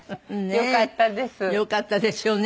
よかったですよね